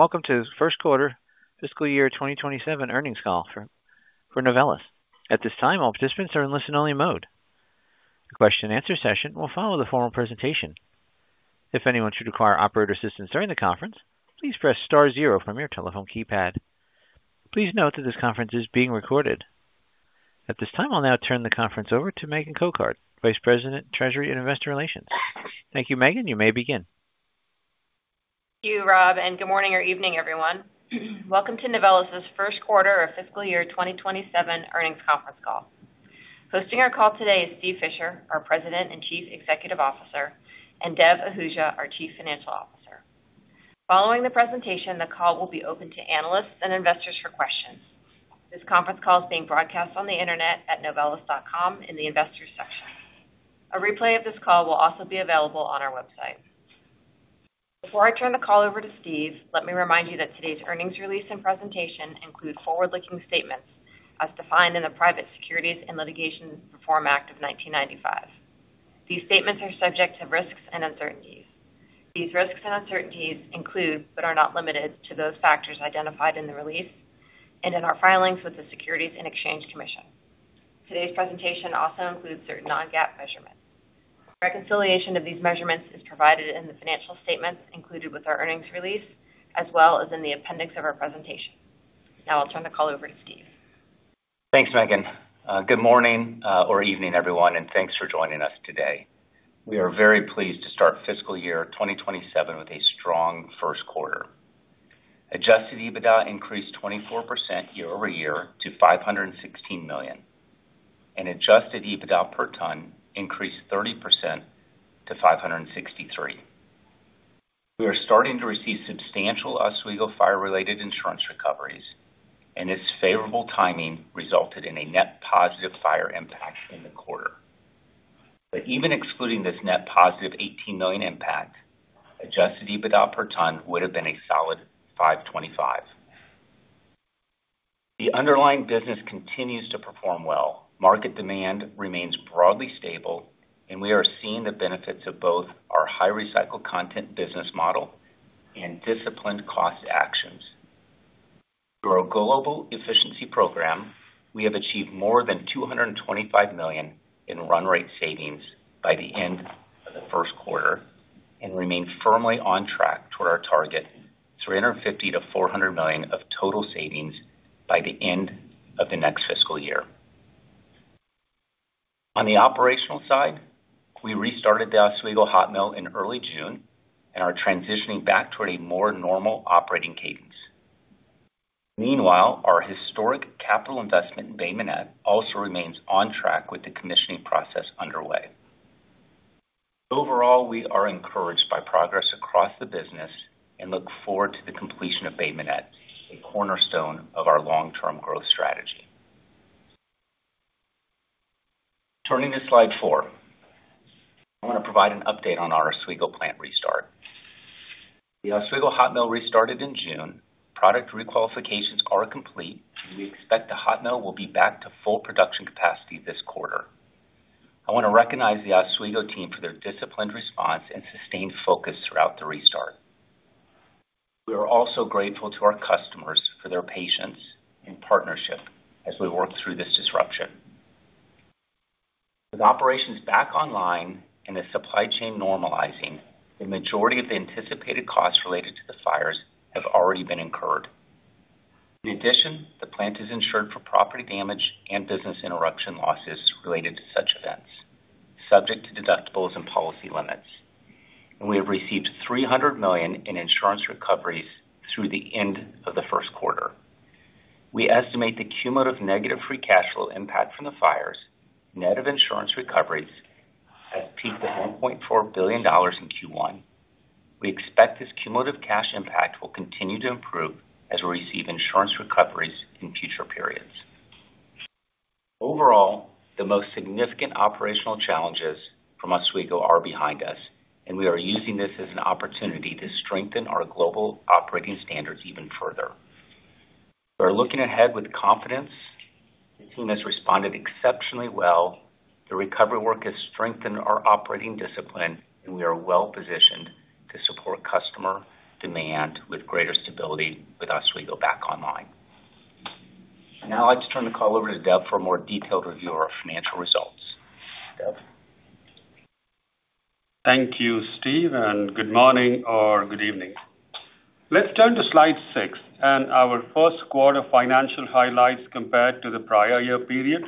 Welcome to First Quarter Fiscal Year 2027 Earnings Call for Novelis. At this time, all participants are in listen-only mode. The question-and-answer session will follow the formal presentation. If anyone should require operator assistance during the conference, please press star zero from your telephone keypad. Please note that this conference is being recorded. At this time, I'll now turn the conference over to Megan Cochard, Vice President, Treasury and Investor Relations. Thank you, Megan. You may begin. Thank you, Rob, and good morning or evening everyone. Welcome to Novelis's first quarter of fiscal year 2027 earnings conference call. Hosting our call today is Steve Fisher, our President and Chief Executive Officer, and Dev Ahuja, our Chief Financial Officer. Following the presentation, the call will be open to analysts and investors for questions. This conference call is being broadcast on the internet at novelis.com in the Investors section. A replay of this call will also be available on our website. Before I turn the call over to Steve, let me remind you that today's earnings release and presentation include forward-looking statements as defined in the Private Securities Litigation Reform Act of 1995. These statements are subject to risks and uncertainties. These risks and uncertainties include, but are not limited to, those factors identified in the release and in our filings with the Securities and Exchange Commission. Today's presentation also includes certain non-GAAP measurements. Reconciliation of these measurements is provided in the financial statements included with our earnings release, as well as in the appendix of our presentation. Now I'll turn the call over to Steve. Thanks, Megan. Good morning or evening, everyone, and thanks for joining us today. We are very pleased to start fiscal year 2027 with a strong first quarter. Adjusted EBITDA increased 24% year-over-year to $516 million, and adjusted EBITDA per ton increased 30% to $563. We are starting to receive substantial Oswego fire-related insurance recoveries, and its favorable timing resulted in a net positive fire impact in the quarter. Even excluding this net positive $18 million impact, adjusted EBITDA per ton would've been a solid $525. The underlying business continues to perform well. Market demand remains broadly stable, and we are seeing the benefits of both our high recycled content business model and disciplined cost actions. Through our global efficiency program, we have achieved more than $225 million in run rate savings by the end of the first quarter and remain firmly on track toward our target $350 million-$400 million of total savings by the end of the next fiscal year. On the operational side, we restarted the Oswego hot mill in early June and are transitioning back toward a more normal operating cadence. Meanwhile, our historic capital investment in Bay Minette also remains on track with the commissioning process underway. Overall, we are encouraged by progress across the business and look forward to the completion of Bay Minette, a cornerstone of our long-term growth strategy. Turning to slide four. I want to provide an update on our Oswego plant restart. The Oswego hot mill restarted in June. Product re-qualifications are complete. We expect the hot mill will be back to full production capacity this quarter. I want to recognize the Oswego team for their disciplined response and sustained focus throughout the restart. We are also grateful to our customers for their patience and partnership as we work through this disruption. With operations back online and the supply chain normalizing, the majority of the anticipated costs related to the fires have already been incurred. In addition, the plant is insured for property damage and business interruption losses related to such events, subject to deductibles and policy limits, and we have received $300 million in insurance recoveries through the end of the first quarter. We estimate the cumulative negative free cash flow impact from the fires, net of insurance recoveries, has peaked at $1.4 billion in Q1. We expect this cumulative cash impact will continue to improve as we receive insurance recoveries in future periods. Overall, the most significant operational challenges from Oswego are behind us. We are using this as an opportunity to strengthen our global operating standards even further. We are looking ahead with confidence. The team has responded exceptionally well. The recovery work has strengthened our operating discipline. We are well-positioned to support customer demand with greater stability with Oswego back online. Now I'd like to turn the call over to Dev for a more detailed review of our financial results. Dev? Thank you, Steve. Good morning or good evening. Let's turn to slide six and our first quarter financial highlights compared to the prior year period.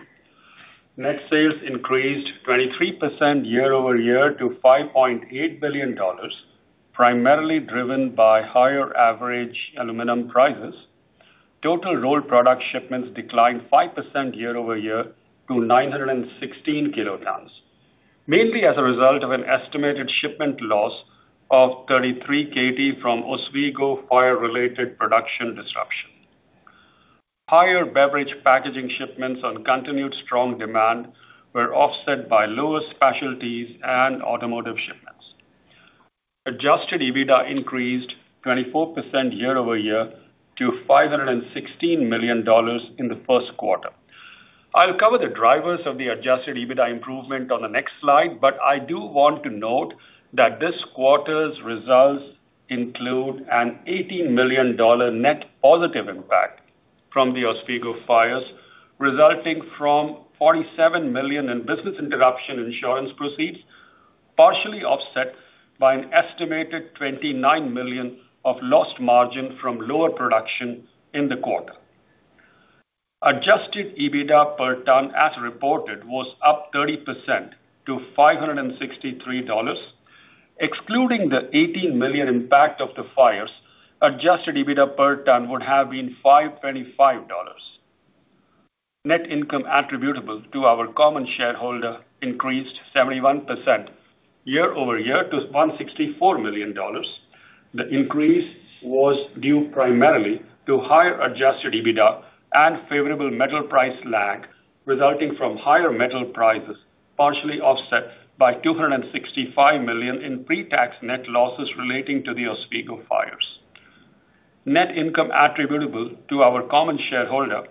Net sales increased 23% year-over-year to $5.8 billion, primarily driven by higher average aluminum prices. Total rolled product shipments declined 5% year-over-year to 916 kt, mainly as a result of an estimated shipment loss of 33 kt from Oswego fire-related production disruption. Higher beverage packaging shipments on continued strong demand were offset by lower specialties and Automotive shipments. Adjusted EBITDA increased 24% year-over-year to $516 million in the first quarter. I'll cover the drivers of the adjusted EBITDA improvement on the next slide. I do want to note that this quarter's results include an $18 million net positive impact from the Oswego fires, resulting from $47 million in business interruption insurance proceeds, partially offset by an estimated $29 million of lost margin from lower production in the quarter. Adjusted EBITDA per ton, as reported, was up 30% to $563. Excluding the $18 million impact of the fires, adjusted EBITDA per ton would have been $525. Net income attributable to our common shareholder increased 71% year-over-year to $164 million. The increase was due primarily to higher adjusted EBITDA and favorable metal price lag, resulting from higher metal prices, partially offset by $265 million in pre-tax net losses relating to the Oswego fires. Net income attributable to our common shareholder,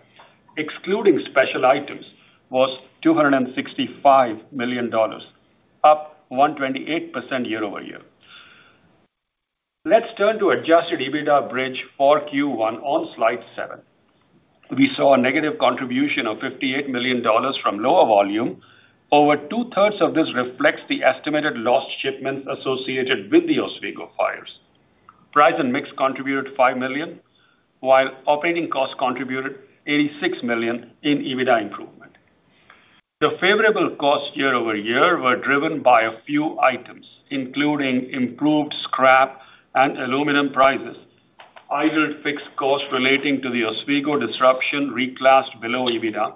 excluding special items, was $265 million, up 128% year-over-year. Let's turn to adjusted EBITDA bridge for Q1 on slide seven. We saw a negative contribution of $58 million from lower volume. Over 2/3 of this reflects the estimated lost shipments associated with the Oswego fires. Price and mix contributed $5 million, while operating costs contributed $86 million in EBITDA improvement. The favorable costs year-over-year were driven by a few items, including improved scrap and aluminum prices, idle fixed costs relating to the Oswego disruption reclassed below EBITDA,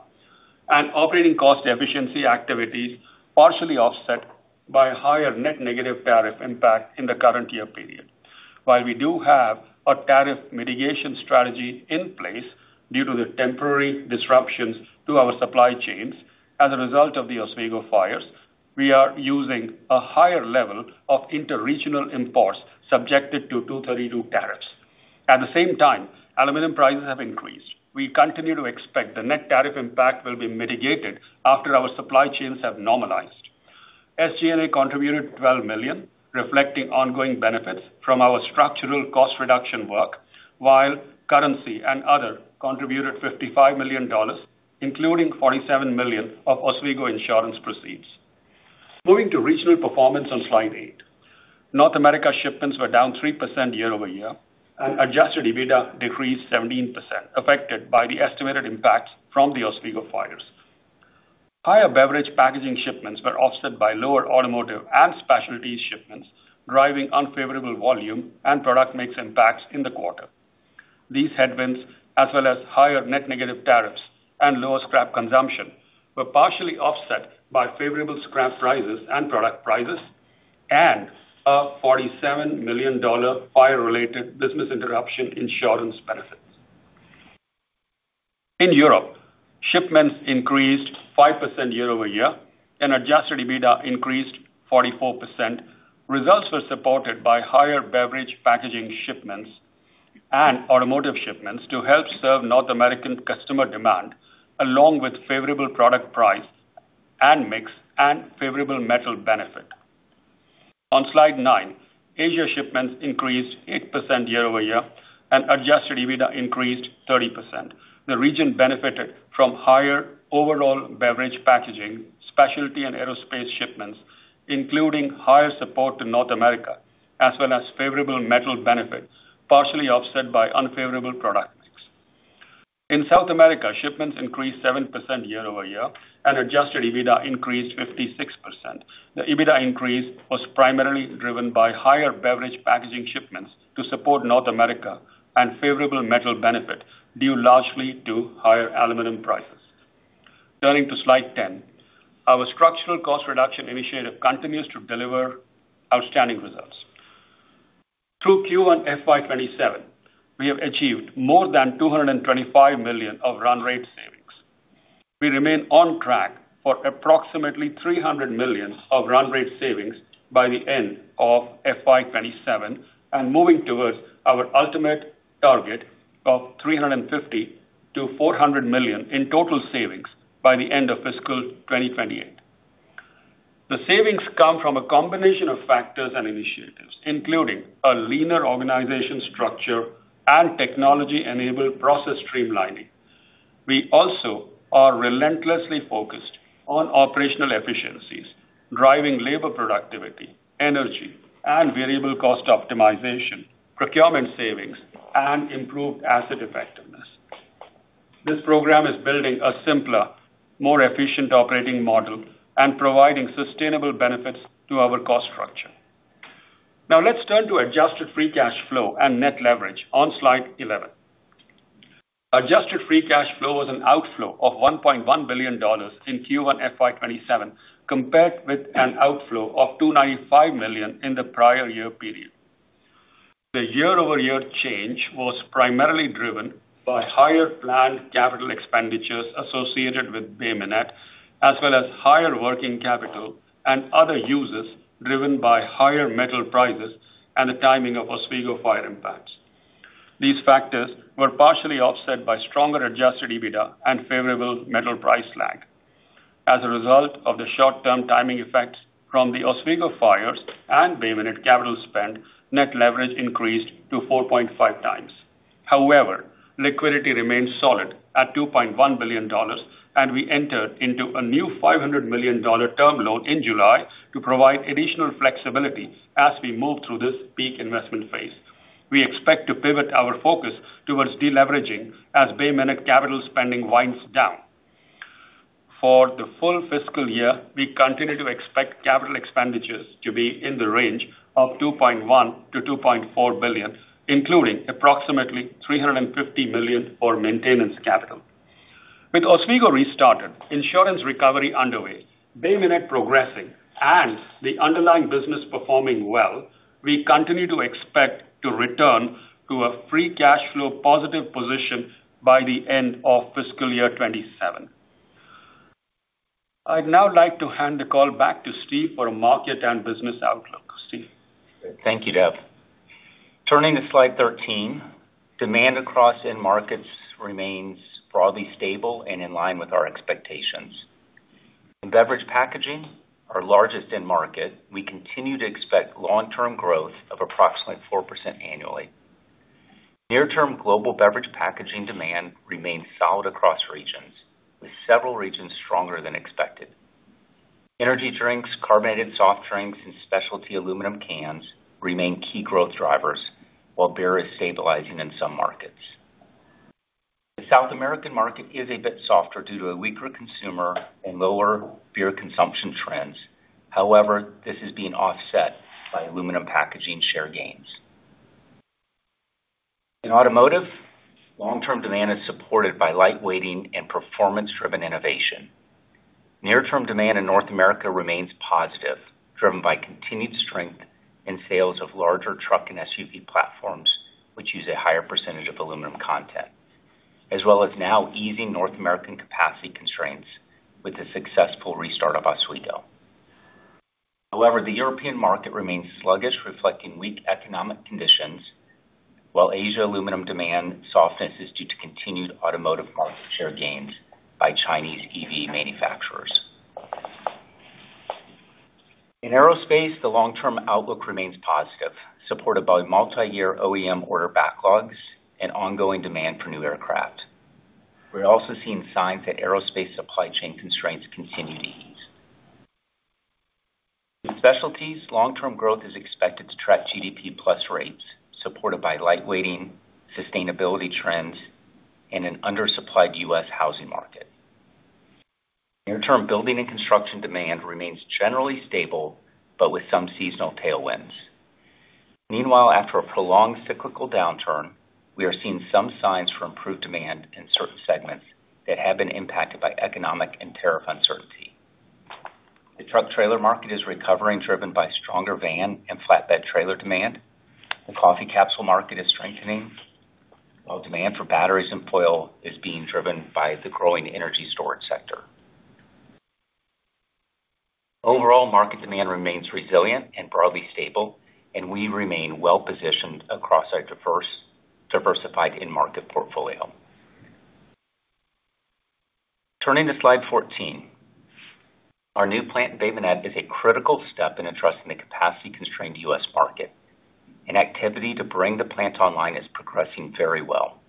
and operating cost efficiency activities, partially offset by higher net negative tariff impact in the current year period. While we do have a tariff mitigation strategy in place due to the temporary disruptions to our supply chains as a result of the Oswego fires, we are using a higher level of inter-regional imports subjected to 232 tariffs. At the same time, aluminum prices have increased. We continue to expect the net tariff impact will be mitigated after our supply chains have normalized. SG&A contributed $12 million, reflecting ongoing benefits from our structural cost reduction work, while currency and other contributed $55 million, including $47 million of Oswego insurance proceeds. Moving to regional performance on slide eight. North America shipments were down 3% year-over-year, and adjusted EBITDA decreased 17%, affected by the estimated impacts from the Oswego fires. Higher beverage packaging shipments were offset by lower Automotive and Specialty shipments, driving unfavorable volume and product mix impacts in the quarter. These headwinds, as well as higher net negative tariffs and lower scrap consumption, were partially offset by favorable scrap prices and product prices and a $47 million fire-related business interruption insurance benefit. In Europe, shipments increased 5% year-over-year, and adjusted EBITDA increased 44%. Results were supported by higher Beverage Packaging shipments and Automotive shipments to help serve North American customer demand, along with favorable product price and mix and favorable metal benefit. On slide nine, Asia shipments increased 8% year-over-year, and adjusted EBITDA increased 30%. The region benefited from higher overall Beverage Packaging, Specialty, and Aerospace shipments, including higher support to North America, as well as favorable metal benefits, partially offset by unfavorable product mix. In South America, shipments increased 7% year-over-year, and adjusted EBITDA increased 56%. The EBITDA increase was primarily driven by higher beverage packaging shipments to support North America and favorable metal benefit due largely to higher aluminum prices. Turning to slide 10, our structural cost reduction initiative continues to deliver outstanding results. Through Q1 FY 2027, we have achieved more than $225 million of run rate savings. We remain on track for approximately $300 million of run rate savings by the end of FY 2027 and moving towards our ultimate target of $350 million-$400 million in total savings by the end of fiscal 2028. The savings come from a combination of factors and initiatives, including a leaner organization structure and technology-enabled process streamlining. We also are relentlessly focused on operational efficiencies, driving labor productivity, energy, and variable cost optimization, procurement savings, and improved asset effectiveness. This program is building a simpler, more efficient operating model and providing sustainable benefits to our cost structure. Let's turn to adjusted free cash flow and net leverage on slide 11. Adjusted free cash flow was an outflow of $1.1 billion in Q1 FY 2027 compared with an outflow of $295 million in the prior year period. The year-over-year change was primarily driven by higher planned capital expenditures associated with Bay Minette, as well as higher working capital and other uses driven by higher metal prices and the timing of Oswego fire impacts. These factors were partially offset by stronger adjusted EBITDA and favorable metal price lag. As a result of the short-term timing effects from the Oswego fires and Bay Minette capital spend, net leverage increased to 4.5x. Liquidity remains solid at $2.1 billion, and we entered into a new $500 million term loan in July to provide additional flexibility as we move through this peak investment phase. We expect to pivot our focus towards deleveraging as Bay Minette capital spending winds down. For the full fiscal year, we continue to expect capital expenditures to be in the range of $2.1 billion-$2.4 billion, including approximately $350 million for maintenance capital. With Oswego restarted, insurance recovery underway, Bay Minette progressing, and the underlying business performing well, we continue to expect to return to a free cash flow positive position by the end of fiscal year 2027. I'd now like to hand the call back to Steve for a market and business outlook. Steve? Thank you, Dev. Turning to slide 13, demand across end markets remains broadly stable and in line with our expectations. In Beverage Packaging, our largest end market, we continue to expect long-term growth of approximately 4% annually. Near-term global beverage packaging demand remains solid across regions, with several regions stronger than expected. Energy drinks, carbonated soft drinks, and specialty aluminum cans remain key growth drivers, while beer is stabilizing in some markets. The South American market is a bit softer due to a weaker consumer and lower beer consumption trends. This is being offset by aluminum packaging share gains. In Automotive, long-term demand is supported by lightweighting and performance-driven innovation. Near-term demand in North America remains positive, driven by continued strength in sales of larger truck and SUV platforms, which use a higher percentage of aluminum content, as well as now easing North American capacity constraints with the successful restart of Oswego. However, the European market remains sluggish, reflecting weak economic conditions, while Asia aluminum demand softness is due to continued Automotive market share gains by Chinese EV manufacturers. In Aerospace, the long-term outlook remains positive, supported by multi-year OEM order backlogs and ongoing demand for new aircraft. We're also seeing signs that aerospace supply chain constraints continue to ease. In specialties, long-term growth is expected to track GDP plus rates, supported by lightweighting, sustainability trends, and an undersupplied U.S. housing market. Near-term building and construction demand remains generally stable, but with some seasonal tailwinds. Meanwhile, after a prolonged cyclical downturn, we are seeing some signs for improved demand in certain segments that have been impacted by economic and tariff uncertainty. The truck trailer market is recovering, driven by stronger van and flatbed trailer demand. The coffee capsule market is strengthening, while demand for batteries and foil is being driven by the growing energy storage sector. Overall, market demand remains resilient and broadly stable, and we remain well-positioned across our diversified end market portfolio. Turning to slide 14. Our new plant in Bay Minette is a critical step in addressing the capacity-constrained U.S. market, and activity to bring the plant online is progressing very well.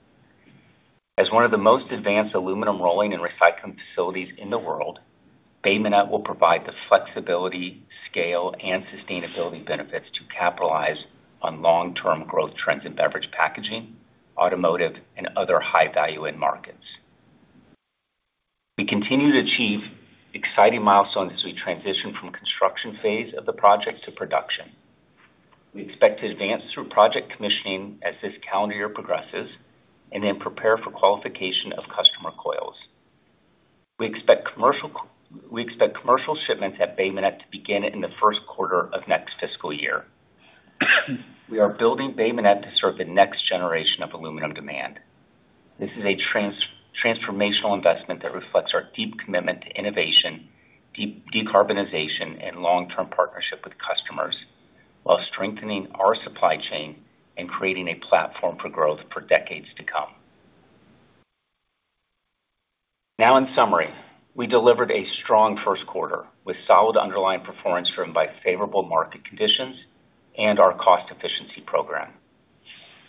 As one of the most advanced aluminum rolling and recycling facilities in the world, Bay Minette will provide the flexibility, scale, and sustainability benefits to capitalize on long-term growth trends in Beverage Packaging, Automotive, and other high-value end markets. We continue to achieve exciting milestones as we transition from construction phase of the project to production. We expect to advance through project commissioning as this calendar year progresses, and then prepare for qualification of customer coils. We expect commercial shipments at Bay Minette to begin in the first quarter of next fiscal year. We are building Bay Minette to serve the next generation of aluminum demand. This is a transformational investment that reflects our deep commitment to innovation, decarbonization, and long-term partnership with customers while strengthening our supply chain and creating a platform for growth for decades to come. Now, in summary, we delivered a strong first quarter with solid underlying performance driven by favorable market conditions and our cost efficiency program.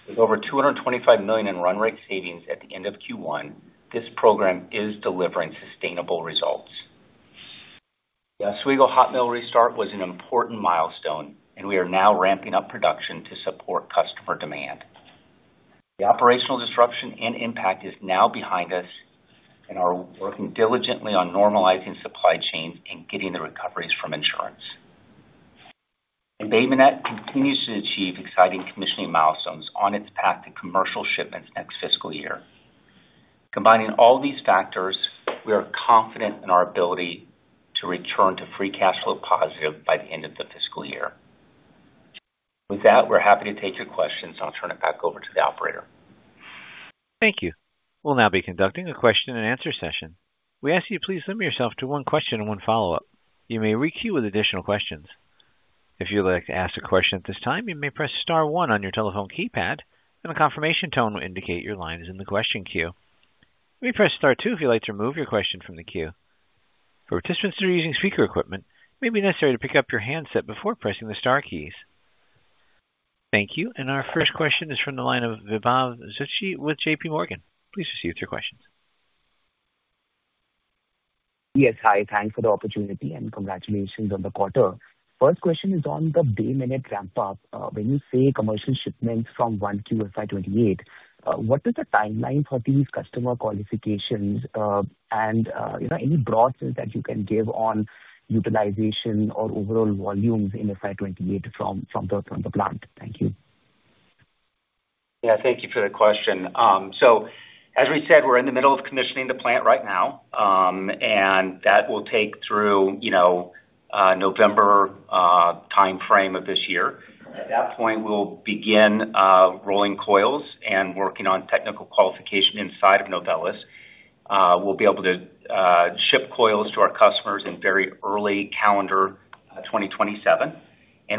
With over $225 million in run rate savings at the end of Q1, this program is delivering sustainable results. The Oswego hot mill restart was an important milestone, and we are now ramping up production to support customer demand. The operational disruption and impact is now behind us, and are working diligently on normalizing supply chains and getting the recoveries from insurance. Bay Minette continues to achieve exciting commissioning milestones on its path to commercial shipments next fiscal year. Combining all these factors, we are confident in our ability to return to free cash flow positive by the end of the fiscal year. With that, we're happy to take your questions, and I'll turn it back over to the operator. Thank you. We'll now be conducting a question-and-answer session. We ask you to please limit yourself to one question and one follow-up. You may re-queue with additional questions. If you would like to ask a question at this time, you may press star one on your telephone keypad and a confirmation tone will indicate your line is in the question queue. You may press star two if you'd like to remove your question from the queue. For participants that are using speaker equipment, it may be necessary to pick up your handset before pressing the star keys. Thank you. Our first question is from the line of Vaibhav Zutshi with JPMorgan. Please proceed with your questions. Yes, hi. Thanks for the opportunity, and congratulations on the quarter. First question is on the Bay Minette ramp up. When you say commercial shipments from 1Q of FY 2028, what is the timeline for these customer qualifications? Any broad sense that you can give on utilization or overall volumes in FY 2028 from the plant? Thank you. Yeah, thank you for the question. As we said, we're in the middle of commissioning the plant right now, and that will take through November timeframe of this year. At that point, we'll begin rolling coils and working on technical qualification inside of Novelis. We'll be able to ship coils to our customers in very early calendar 2027.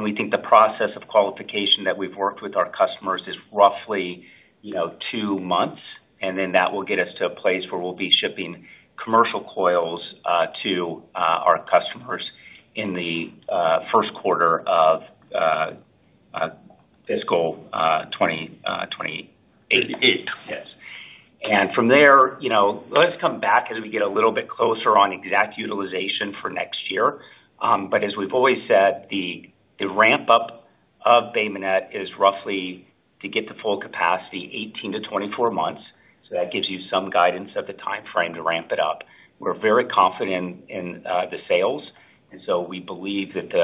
We think the process of qualification that we've worked with our customers is roughly two months, and then that will get us to a place where we'll be shipping commercial coils to our customers in the first quarter of fiscal 2028. Yes. From there, let's come back as we get a little bit closer on exact utilization for next year. As we've always said, the ramp-up of Bay Minette is roughly to get to full capacity 18-24 months. That gives you some guidance of the timeframe to ramp it up. We're very confident in the sales, and so we believe that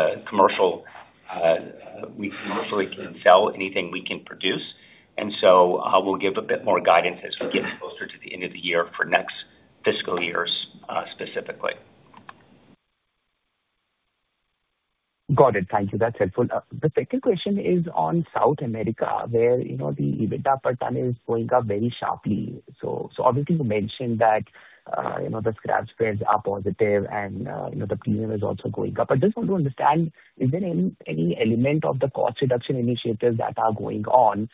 we commercially can sell anything we can produce, and so we'll give a bit more guidance as we get closer to the end of the year for next fiscal years, specifically. Got it. Thank you. That's helpful. The second question is on South America, where the EBITDA per ton is going up very sharply. Obviously you mentioned that the scrap spreads are positive and the premium is also going up. I just want to understand, is there any element of the cost reduction initiatives that are going on,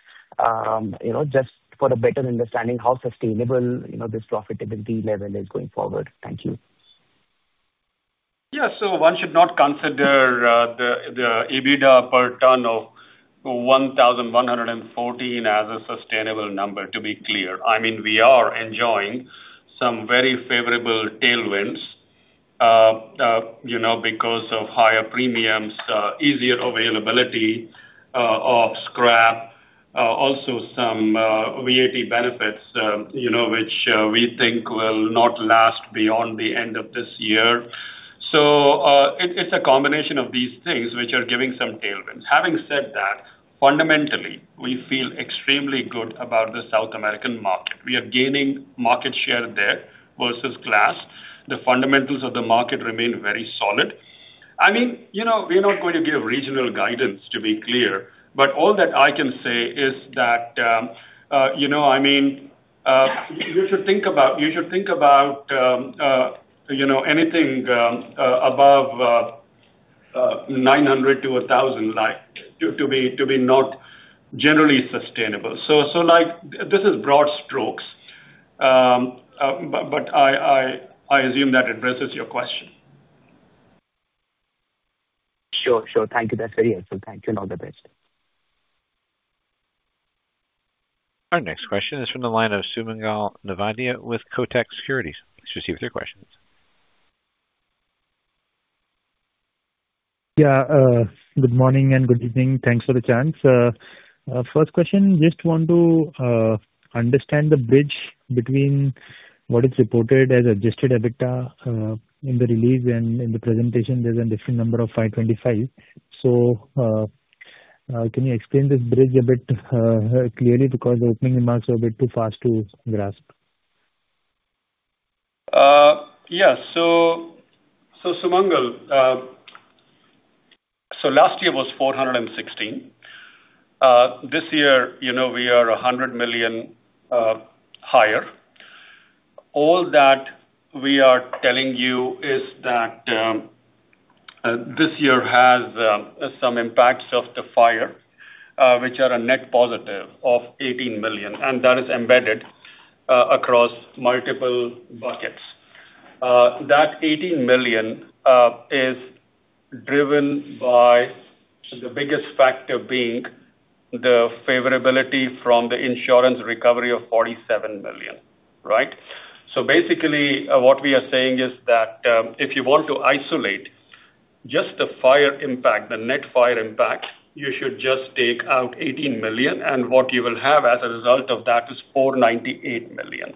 just for a better understanding how sustainable this profitability level is going forward. Thank you. Yeah. One should not consider the [EBITDA per ton of $1,114] as a sustainable number, to be clear. I mean, we are enjoying some very favorable tailwinds, because of higher premiums, easier availability of scrap, also some VAT benefits, which we think will not last beyond the end of this year. It's a combination of these things which are giving some tailwinds. Having said that, fundamentally, we feel extremely good about the South American market. We are gaining market share there versus glass. The fundamentals of the market remain very solid. I mean, we're not going to give regional guidance, to be clear, but all that I can say is that, you should think about anything above [$900-$1,000], to be not generally sustainable. This is broad strokes, but I assume that addresses your question. Sure. Thank you. That's very helpful. Thank you, and all the best. Our next question is from the line of Sumangal Nevatia with Kotak Securities. Please proceed with your questions. Yeah. Good morning and good evening. Thanks for the chance. First question, just want to understand the bridge between what is reported as adjusted EBITDA, in the release and in the presentation, there's a different number of $525. Can you explain this bridge a bit clearly, because the opening remarks are a bit too fast to grasp? Yeah. Sumangal, last year was $416. This year we are $100 million higher. All that we are telling you is that this year has some impacts of the fire, which are a net positive of $18 million, and that is embedded across multiple buckets. That $18 million is driven by the biggest factor being the favorability from the insurance recovery of $47 million. Right? Basically, what we are saying is that, if you want to isolate just the fire impact, the net fire impact, you should just take out $18 million, and what you will have as a result of that is $498 million.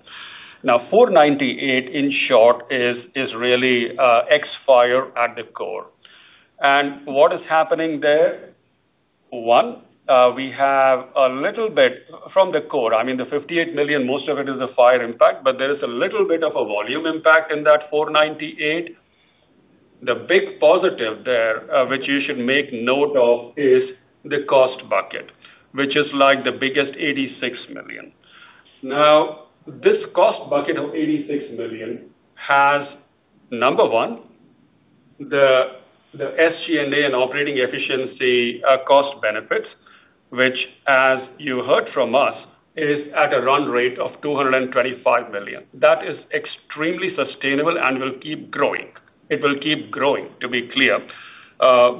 $498 million, in short, is really X fire at the core. What is happening there? One, we have a little bit from the core. I mean, the $58 million, most of it is the fire impact, but there is a little bit of a volume impact in that $498 million. The big positive there, which you should make note of, is the cost bucket, which is the biggest $86 million. This cost bucket of $86 million has, number one, the SG&A and operating efficiency cost benefits, which as you heard from us, is at a run rate of $225 million. That is extremely sustainable and will keep growing. It will keep growing, to be clear,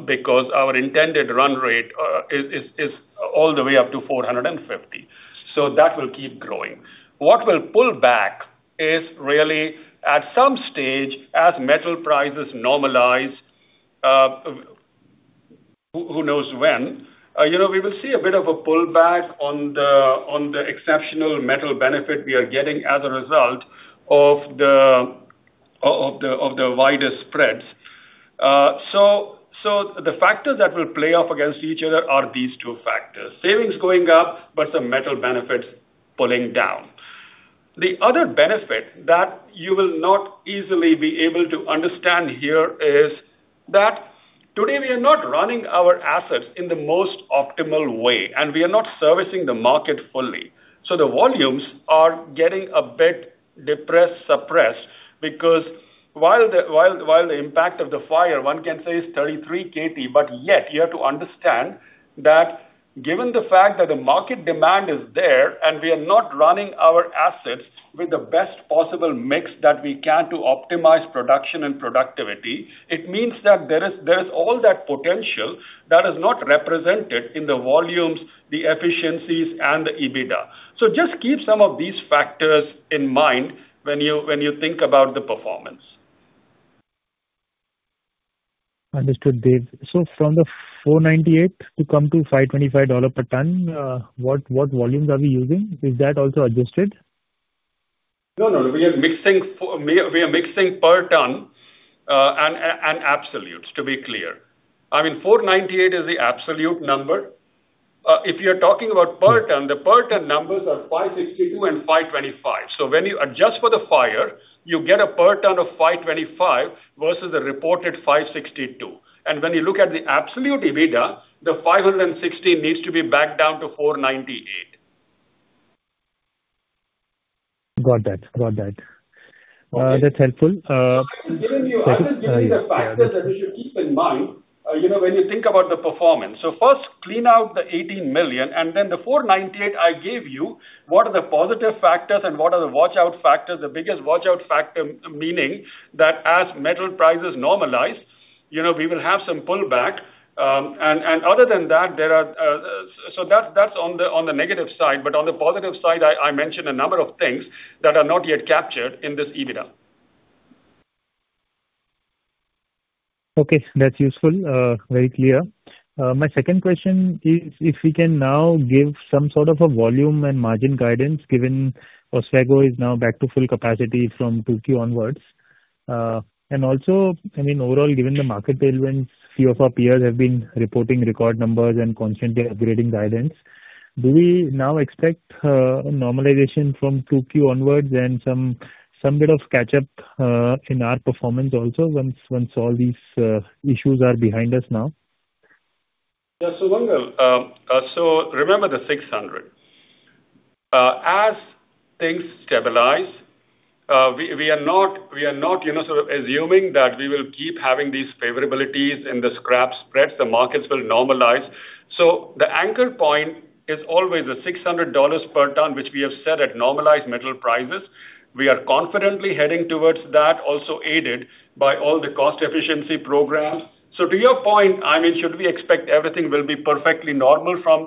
because our intended run rate is all the way up to $350 million-$400 million. That will keep growing. What will pull back is really at some stage as metal prices normalize, who knows when? We will see a bit of a pullback on the exceptional metal benefit we are getting as a result of the wider spreads. The factors that will play off against each other are these two factors. Savings going up, the metal benefits pulling down. The other benefit that you will not easily be able to understand here is that today we are not running our assets in the most optimal way, and we are not servicing the market fully. The volumes are getting a bit depressed, suppressed, because while the impact of the fire one can say is 33 kt, you have to understand that given the fact that the market demand is there and we are not running our assets with the best possible mix that we can to optimize production and productivity, it means that there's all that potential that is not represented in the volumes, the efficiencies, and the EBITDA. Just keep some of these factors in mind when you think about the performance. Understood, Dev. From the $498 million to come to $525 per ton, what volumes are we using? Is that also adjusted? No, we are mixing per ton and absolutes, to be clear. I mean, $498 million is the absolute number. If you're talking about per ton, the per ton numbers are $563 and $525. When you adjust for the fire, you get a per ton of $525 versus the reported $563. When you look at the absolute EBITDA, the $516 million needs to be backed down to $498 million. Got that. That's helpful. I'm just giving you the factors that we should keep in mind when you think about the performance. First, clean out the $18 million, then the $498 million I gave you. What are the positive factors and what are the watch-out factors? The biggest watch-out factor, meaning that as metal prices normalize, we will have some pullback. That's on the negative side. On the positive side, I mentioned a number of things that are not yet captured in this EBITDA. Okay. That's useful. Very clear. My second question is if we can now give some sort of a volume and margin guidance, given Oswego is now back to full capacity from 2Q onwards. Overall, given the market tailwind, few of our peers have been reporting record numbers and constantly upgrading guidance. Do we now expect normalization from 2Q onwards and some bit of catch-up in our performance also once all these issues are behind us now? Yeah. Sumangal, remember the 600 kt. As things stabilize, we are not assuming that we will keep having these favorabilities in the scrap spreads. The markets will normalize. The anchor point is always the $600 per ton, which we have set at normalized metal prices. We are confidently heading towards that, also aided by all the cost efficiency programs. To your point, I mean, should we expect everything will be perfectly normal from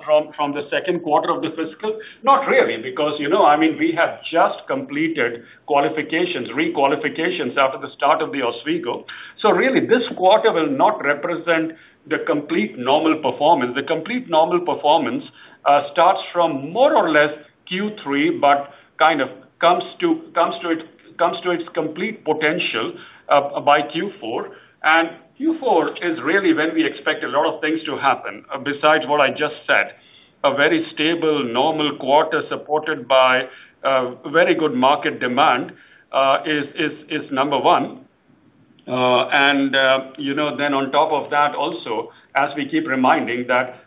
the second quarter of the fiscal? Not really, because we have just completed qualifications, re-qualifications after the start of the Oswego. Really, this quarter will not represent the complete normal performance. The complete normal performance starts from more or less Q3 but kind of comes to its complete potential by Q4. Q4 is really when we expect a lot of things to happen besides what I just said. A very stable, normal quarter supported by very good market demand is number one. On top of that also, as we keep reminding that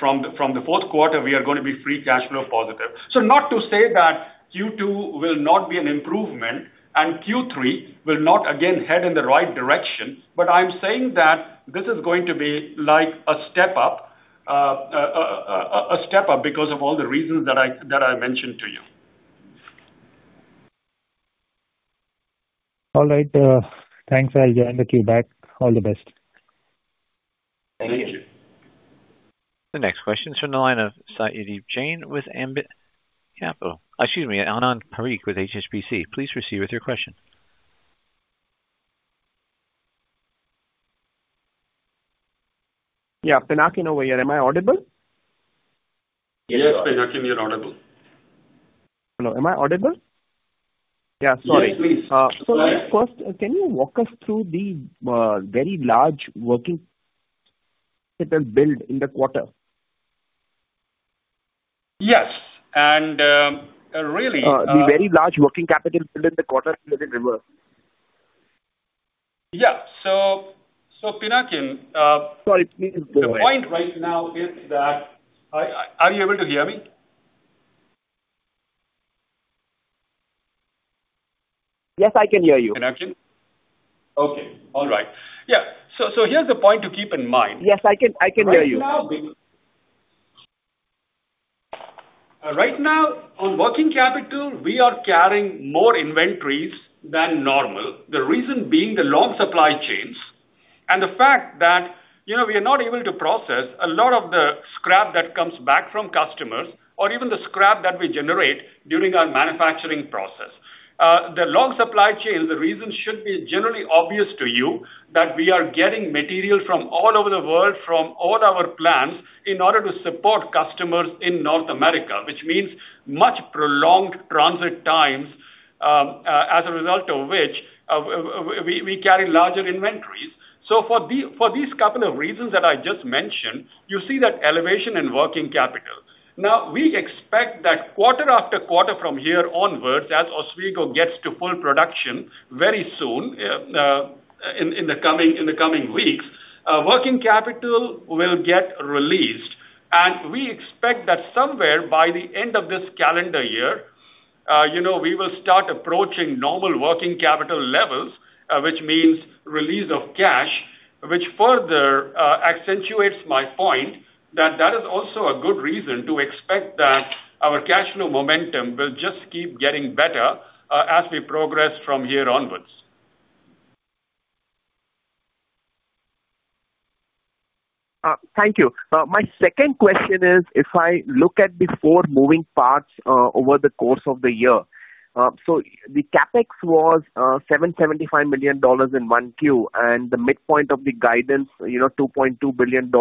from the fourth quarter, we are going to be free cash flow positive. Not to say that Q2 will not be an improvement and Q3 will not again head in the right direction, but I'm saying that this is going to be like a step up because of all the reasons that I mentioned to you. All right. Thanks. I'll join the queue back. All the best. Thank you. The next question is from the line of Satyadeep Jain with Ambit Capital. Excuse me, Anand Parikh with HSBC. Please proceed with your question. Yeah. Pinakin over here. Am I audible? Yes, Pinakin, you're audible. Hello, am I audible? Yeah, sorry. Yes, please. First, can you walk us through the very large working capital build in the quarter? Yes. The very large working capital build in the quarter is [a little diverse]. Yeah. Pinakin. Sorry, please go ahead. The point right now is that. Are you able to hear me? Yes, I can hear you. Okay. All right. Yeah. Here's the point to keep in mind. Yes, I can hear you. Right now, on working capital, we are carrying more inventories than normal. The reason being the long supply chains and the fact that we are not able to process a lot of the scrap that comes back from customers or even the scrap that we generate during our manufacturing process. The long supply chain, the reason should be generally obvious to you, that we are getting material from all over the world, from all our plants, in order to support customers in North America. Which means much prolonged transit times, as a result of which, we carry larger inventories. For these couple of reasons that I just mentioned, you see that elevation in working capital. Now, we expect that quarter-after-quarter from here onwards, as Oswego gets to full production very soon, in the coming weeks, working capital will get released. We expect that somewhere by the end of this calendar year, we will start approaching normal working capital levels. Which means release of cash, which further accentuates my point, that that is also a good reason to expect that our cash flow momentum will just keep getting better, as we progress from here onwards. Thank you. My second question is, if I look at the four moving parts, over the course of the year. The CapEx was $775 million in 1Q, and the midpoint of the guidance, $2.2 billion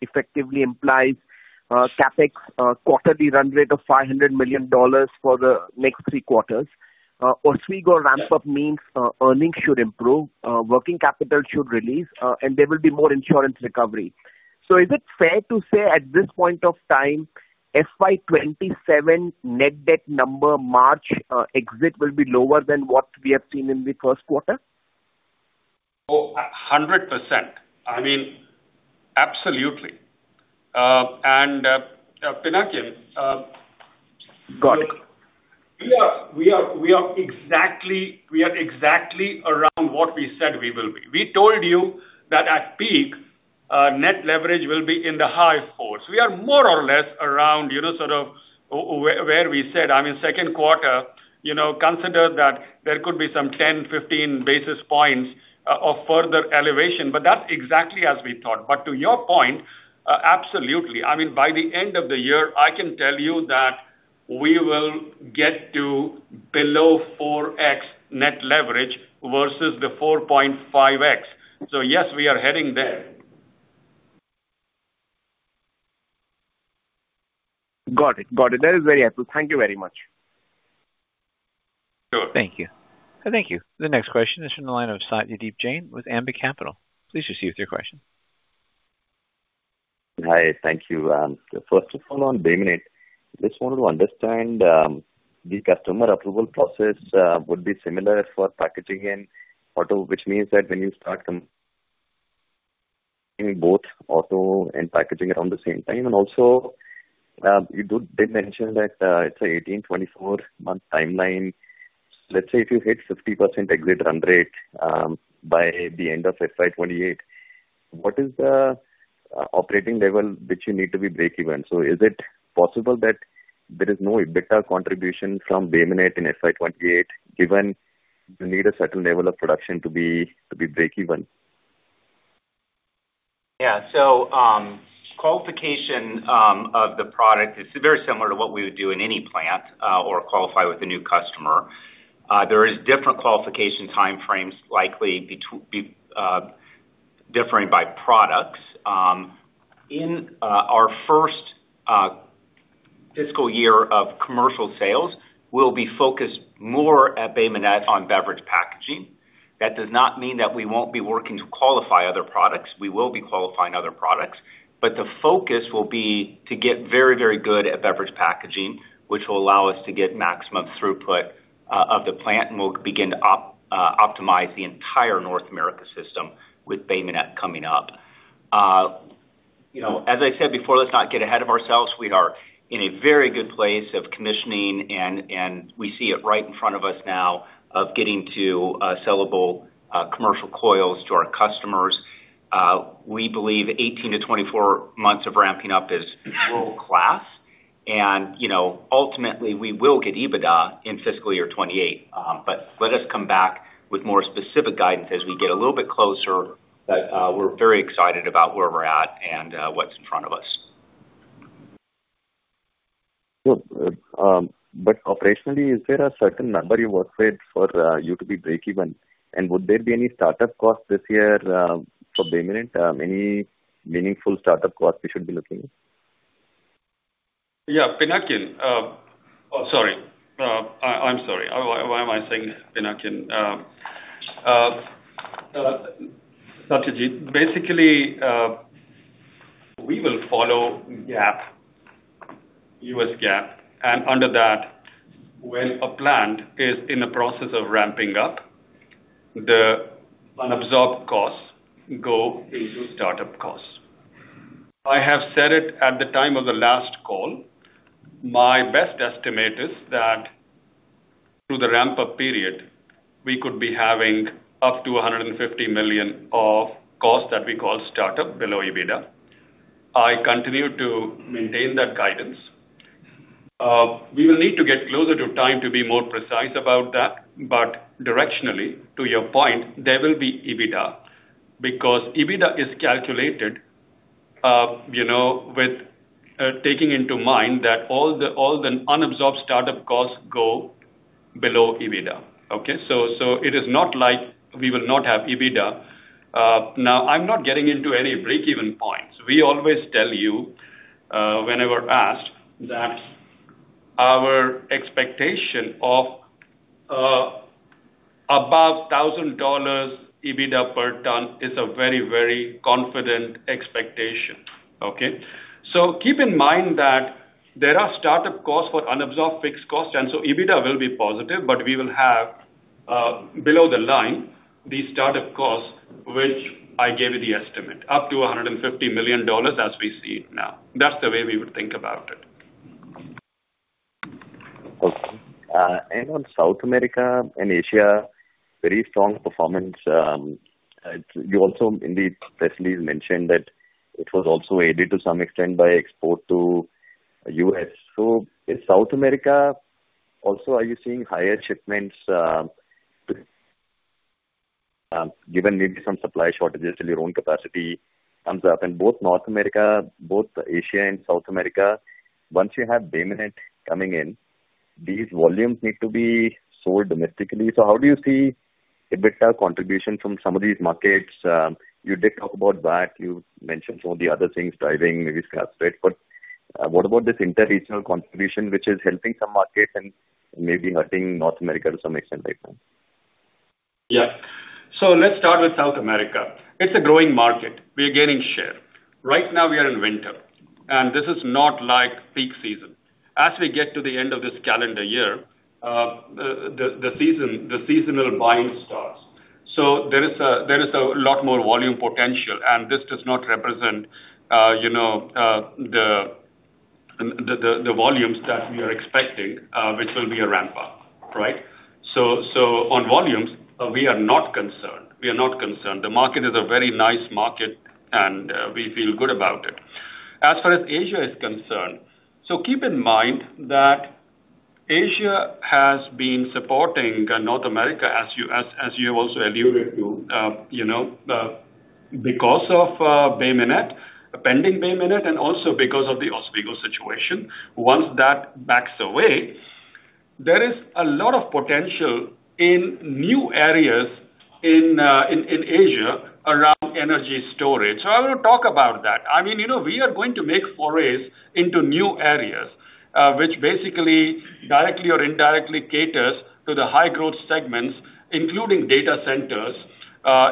effectively implies CapEx quarterly run rate of $500 million for the next three quarters. Oswego ramp-up means earnings should improve, working capital should release, and there will be more insurance recovery. Is it fair to say at this point of time, FY 2027 net debt number March exit will be lower than what we have seen in the first quarter? 100%. Absolutely. Pinakin- Got it. we are exactly around what we said we will be. We told you that at peak, net leverage will be in the high fours. We are more or less around where we said. I mean, second quarter, consider that there could be some 10, 15 basis points of further elevation, but that's exactly as we thought. To your point, absolutely. By the end of the year, I can tell you that we will get to below 4x net leverage versus the 4.5x. Yes, we are heading there. Got it. That is very helpful. Thank you very much. Sure. Thank you. The next question is from the line of Satyadeep Jain with Ambit Capital. Please proceed with your question. Hi, thank you. First of all, on Bay Minette, just wanted to understand, the customer approval process would be similar for packaging and auto, which means that when you start them in both auto and packaging around the same time. Also, you did mention that it's a 18 months, 24 months timeline. Let's say, if you hit 50% exit run rate by the end of FY 2028, what is the operating level which you need to be breakeven? Is it possible that there is no EBITDA contribution from Bay Minette in FY 2028, given you need a certain level of production to be breakeven? Yeah. Qualification of the product is very similar to what we would do in any plant or qualify with a new customer. There is different qualification time frames likely differing by products. In our first fiscal year of commercial sales, we'll be focused more at Bay Minette on Beverage Packaging. That does not mean that we won't be working to qualify other products. We will be qualifying other products, but the focus will be to get very, very good at Beverage Packaging, which will allow us to get maximum throughput of the plant, and we'll begin to optimize the entire North America system with Bay Minette coming up. As I said before, let's not get ahead of ourselves. We are in a very good place of commissioning, and we see it right in front of us now of getting to sellable commercial coils to our customers. We believe 18-24 months of ramping up is world-class. Ultimately, we will get EBITDA in FY 2028. Let us come back with more specific guidance as we get a little bit closer. We're very excited about where we're at and what's in front of us. Sure. Operationally, is there a certain number you work with for you to be breakeven? Would there be any startup costs this year for Bay Minette, any meaningful startup costs we should be looking at? Yeah, Pinakin, I'm sorry, why am I saying Pinakin? Satyadeep, basically, we will follow GAAP, U.S. GAAP, and under that, when a plant is in the process of ramping up, the unabsorbed costs go into startup costs. I have said it at the time of the last call, my best estimate is that through the ramp-up period, we could be having up to $150 million of costs that we call startup below EBITDA. I continue to maintain that guidance. We will need to get closer to time to be more precise about that, directionally, to your point, there will be EBITDA. EBITDA is calculated with taking into mind that all the unabsorbed startup costs go below EBITDA. Okay? It is not like we will not have EBITDA. Now, I'm not getting into any breakeven points. We always tell you, whenever asked, that our expectation of above $1,000 EBITDA per ton is a very, very confident expectation. Okay. Keep in mind that there are startup costs for unabsorbed fixed costs. EBITDA will be positive, but we will have, below the line, these startup costs, which I gave you the estimate, up to $150 million as we see it now. That's the way we would think about it. Okay. On South America and Asia, very strong performance. You also indeed, [inaudible] mentioned that it was also aided to some extent by export to U.S. In South America also, are you seeing higher shipments, given maybe some supply shortages till your own capacity comes up? In both North America, both Asia and South America, once you have Bay Minette coming in, these volumes need to be sold domestically. How do you see EBITDA contribution from some of these markets? You did talk about that. You mentioned some of the other things driving maybe scrap rate. What about this inter-regional contribution, which is helping some markets and maybe hurting North America to some extent right now? Yeah. Let's start with South America. It's a growing market. We are gaining share. Right now we are in winter, and this is not like peak season. As we get to the end of this calendar year, the seasonal buying starts. There is a lot more volume potential, and this does not represent the volumes that we are expecting, which will be a ramp-up, right? On volumes, we are not concerned. The market is a very nice market, and we feel good about it. As far as Asia is concerned, keep in mind that Asia has been supporting North America, as you also alluded to, because of Bay Minette, pending Bay Minette, and also because of the Oswego situation. Once that backs away, there is a lot of potential in new areas in Asia around energy storage. I want to talk about that. We are going to make forays into new areas, which basically directly or indirectly caters to the high-growth segments, including data centers,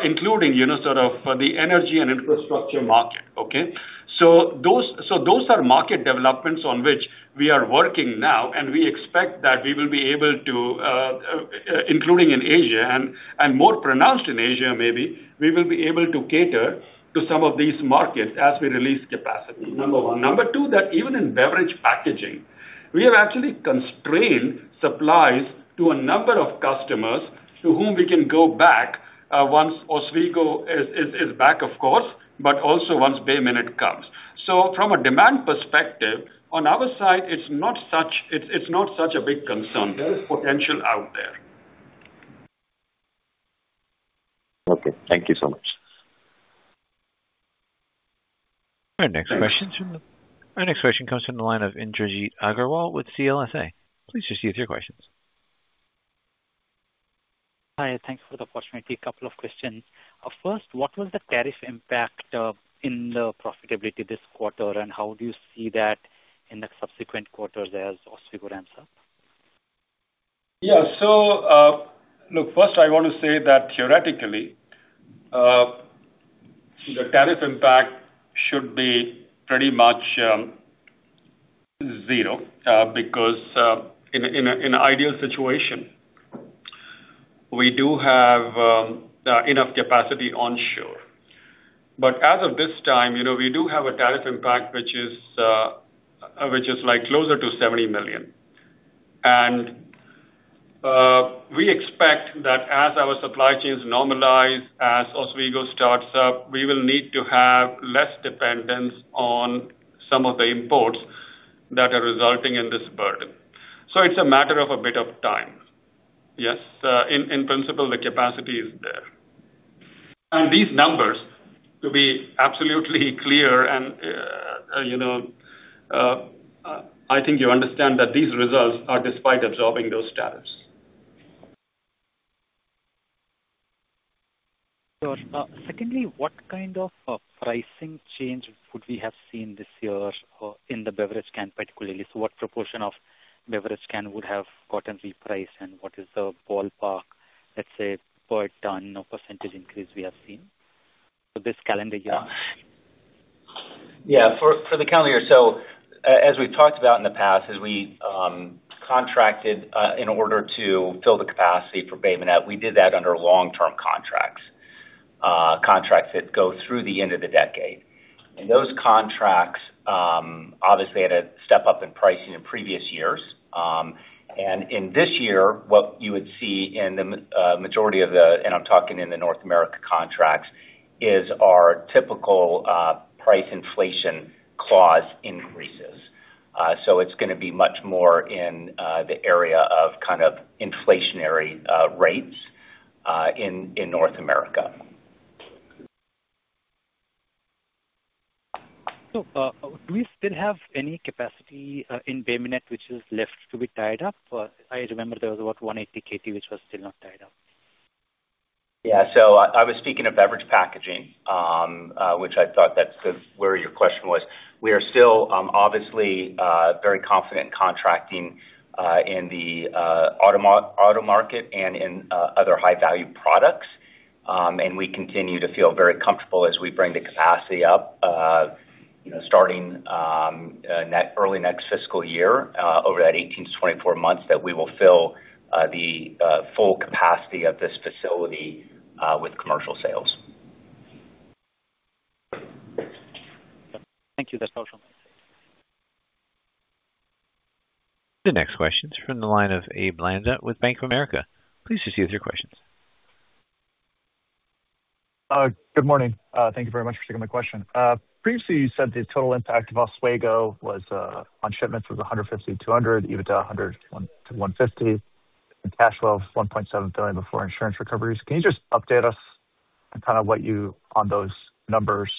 including the energy and infrastructure market. Okay. Those are market developments on which we are working now, and we expect that we will be able to, including in Asia, and more pronounced in Asia maybe, we will be able to cater to some of these markets as we release capacity, number one. Number two, that even in Beverage Packaging, we have actually constrained supplies to a number of customers to whom we can go back once Oswego is back, of course, but also once Bay Minette comes. From a demand perspective, on our side, it's not such a big concern. There is potential out there. Okay. Thank you so much. Our next question comes from the line of Indrajit Agrawal with CLSA. Please proceed with your questions. Hi, thanks for the opportunity. A couple of questions. First, what was the tariff impact in the profitability this quarter, and how do you see that in the subsequent quarters as Oswego ramps up? Look, first I want to say that theoretically, the tariff impact should be pretty much zero. In an ideal situation, we do have enough capacity onshore. As of this time, we do have a tariff impact, which is closer to $70 million. We expect that as our supply chains normalize, as Oswego starts up, we will need to have less dependence on some of the imports that are resulting in this burden. It's a matter of a bit of time. Yes. In principle, the capacity is there. These numbers, to be absolutely clear, and I think you understand that these results are despite absorbing those tariffs. Sure. Secondly, what kind of pricing change would we have seen this year in the beverage can particularly? What proportion of beverage can would have gotten repriced and what is the ballpark, let's say, per ton of percentage increase we have seen for this calendar year? Yeah. For the calendar year, as we've talked about in the past, as we contracted in order to fill the capacity for Bay Minette, we did that under long-term contracts. Contracts that go through the end of the decade. Those contracts obviously had a step-up in pricing in previous years. In this year, what you would see in the majority of the, I'm talking in the North America contracts, is our typical price inflation clause increases. It's going to be much more in the area of kind of inflationary rates in North America. Do you still have any capacity in Bay Minette which is left to be tied up? I remember there was about 180 kt which was still not tied up. Yeah. I was speaking of Beverage Packaging, which I thought that's where your question was. We are still obviously very confident contracting in the auto market and in other high-value products. We continue to feel very comfortable as we bring the capacity up starting early next fiscal year, over that 18-24 months, that we will fill the full capacity of this facility with commercial sales. Thank you. That's all from me. The next question's from the line of Abe Landa with Bank of America. Please proceed with your questions. Good morning. Thank you very much for taking my question. Previously, you said the total impact of Oswego on shipments was 150-200 kt, EBITDA $100 million-$150 million, and cash flow of $1.7 billion before insurance recoveries. Can you just update us on those numbers?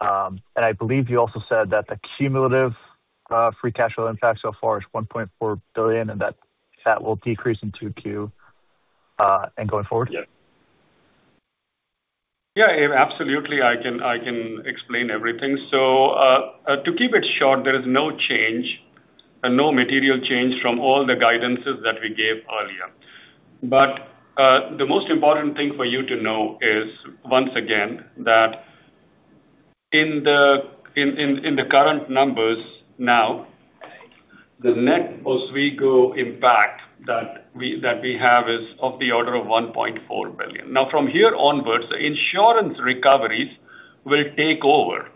I believe you also said that the cumulative free cash flow impact so far is $1.4 billion and that will decrease in Q2 and going forward. Yeah, Abe, absolutely. I can explain everything. To keep it short, there is no material change from all the guidances that we gave earlier. The most important thing for you to know is, once again, that in the current numbers now, the net Oswego impact that we have is of the order of $1.4 billion. From here onwards, the insurance recoveries will take over.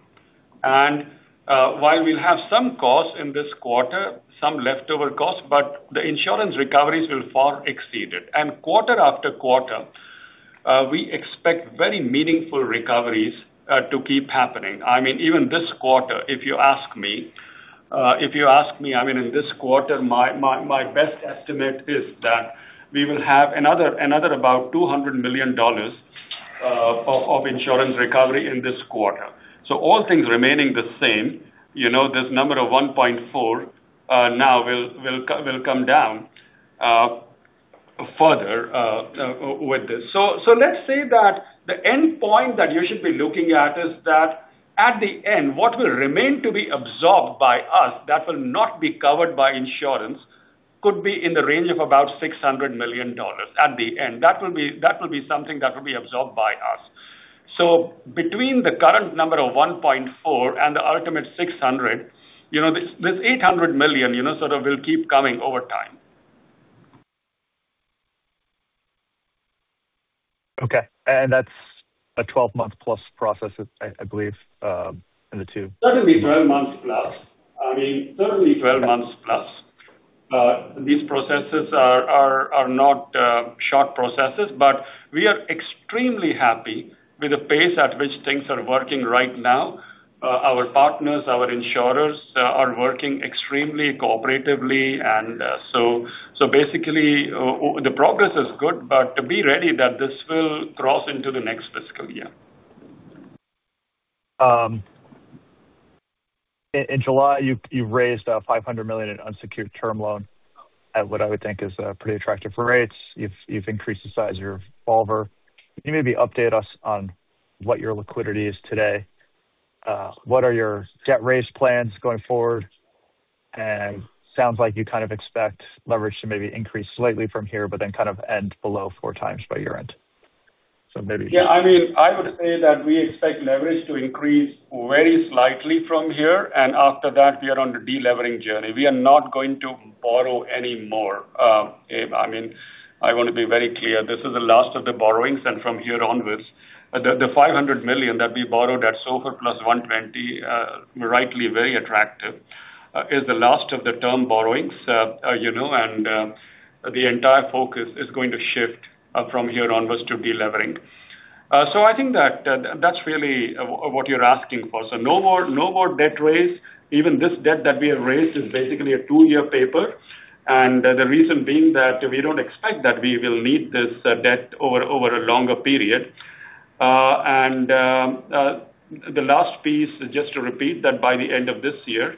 While we'll have some costs in this quarter, some leftover costs, but the insurance recoveries will far exceed it. Quarter after quarter, we expect very meaningful recoveries to keep happening. Even this quarter, if you ask me, in this quarter, my best estimate is that we will have another about $200 million of insurance recovery in this quarter. All things remaining the same, this number of $1.4 billion now will come down further with this. Let's say that the endpoint that you should be looking at is that at the end, what will remain to be absorbed by us that will not be covered by insurance, could be in the range of about $600 million at the end. That will be something that will be absorbed by us. Between the current number of $1.4 billion and the ultimate $600 million, this $800 million will keep coming over time. Okay. That's a 12-month-plus process, I believe, in the two- Certainly 12 months plus. These processes are not short processes, we are extremely happy with the pace at which things are working right now. Our partners, our insurers are working extremely cooperatively, basically, the progress is good, be ready that this will cross into the next fiscal year. In July, you raised a $500 million in unsecured term loan at what I would think is pretty attractive rates. You've increased the size of your revolver. Can you maybe update us on what your liquidity is today? What are your debt raise plans going forward? Sounds like you kind of expect leverage to maybe increase slightly from here, then kind of end below 4x by year-end. Maybe- I would say that we expect leverage to increase very slightly from here, after that, we are on the de-levering journey. We are not going to borrow any more, Abe. I want to be very clear, this is the last of the borrowings, from here onwards, the $500 million that we borrowed at SOFR +120 basis points, rightly very attractive, is the last of the term borrowings. The entire focus is going to shift from here onwards to de-levering. I think that's really what you're asking for. No more debt raise. Even this debt that we have raised is basically a two-year paper. The reason being that we don't expect that we will need this debt over a longer period. The last piece, just to repeat that by the end of this year,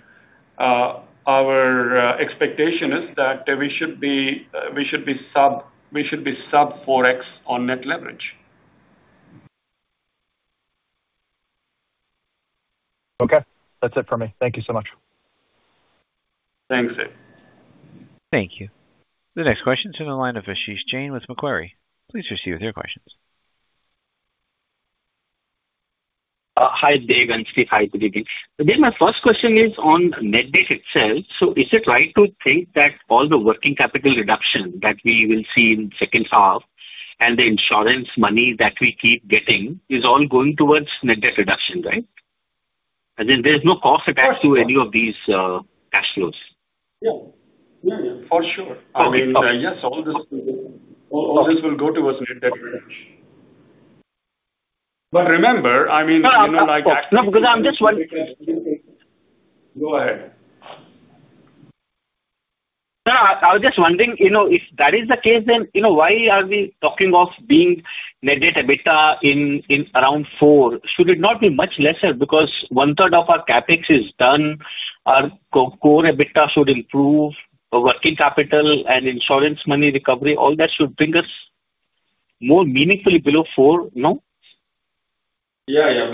our expectation is that we should be sub 4x on net leverage. That's it for me. Thank you so much. Thanks, Abe. Thank you. The next question is in the line of Ashish Jain with Macquarie. Please proceed with your questions. Hi Dev and Steve. Hi, everybody. Dev, my first question is on net debt itself. Is it right to think that all the working capital reduction that we will see in second half and the insurance money that we keep getting is all going towards net debt reduction, right? I mean, there's no cost attached to any of these cash flows. Yeah. For sure. I mean, yes, all this will go towards net debt reduction. Remember. No. Go ahead. I was just wondering, if that is the case then, why are we talking of being net debt EBITDA in around 4x? Should it not be much lesser, because 1/3 of our CapEx is done, our core EBITDA should improve, our working capital and insurance money recovery, all that should bring us more meaningfully below 4x, no? Yeah.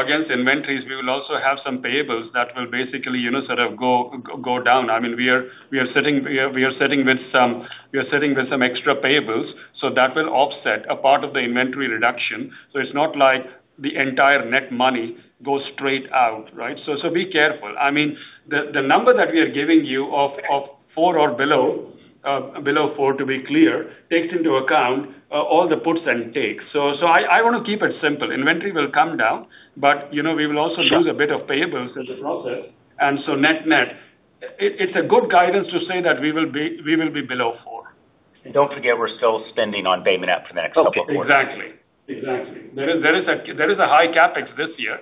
Against inventories, we will also have some payables that will basically sort of go down. I mean, we are sitting with some extra payables, so that will offset a part of the inventory reduction. It's not like the entire net money goes straight out, right? Be careful. I mean, the number that we are giving you of 4x or below 4x to be clear, takes into account all the puts and takes. I want to keep it simple. Inventory will come down, but we will also use- Sure a bit of payables in the process, net-net. It's a good guidance to say that we will be below 4x. Don't forget, we're still spending on Bay Minette for the next couple of quarters. Exactly. There is a high CapEx this year.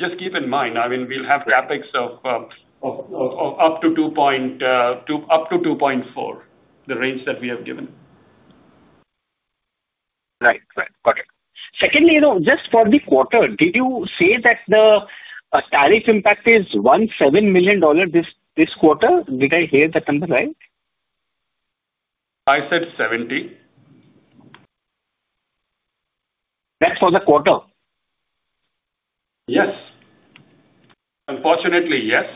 Just keep in mind, I mean, we'll have CapEx of up to $2.4 billion, the range that we have given. Right. Got it. Secondly, just for the quarter, did you say that the tariff impact is $17 million this quarter? Did I hear that number right? I said $70 million. That's for the quarter? Yes. Unfortunately, yes.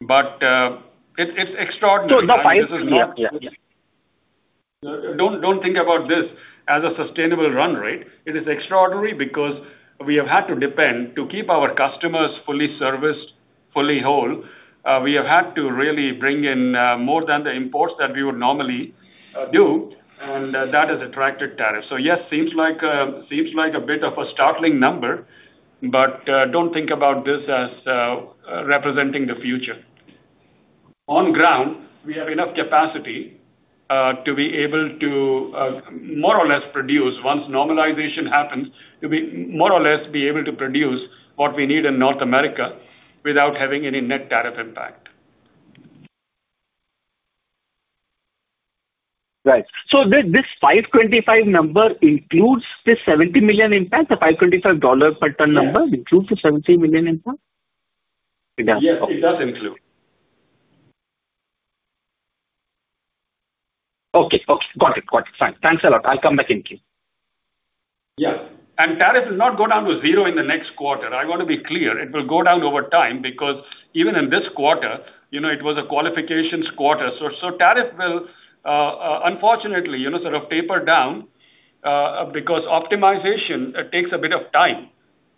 It's extraordinary. The [inaudible] Don't think about this as a sustainable run rate. It is extraordinary because we have had to depend to keep our customers fully serviced, fully whole. We have had to really bring in more than the imports that we would normally do, and that has attracted tariff. Yes, seems like a bit of a startling number, but, don't think about this as representing the future. On ground, we have enough capacity to be able to more or less produce once normalization happens, to be more or less be able to produce what we need in North America without having any net tariff impact. Right. This $525 number includes the $70 million impact, the $525 per ton number includes the $70 million impact? It does. Yes, it does include. Okay. Got it. Fine. Thanks a lot. I'll come back in queue. Yeah. Tariff will not go down to zero in the next quarter. I want to be clear. It will go down over time because even in this quarter, it was a qualifications quarter. Tariff will, unfortunately, sort of taper down, because optimization takes a bit of time.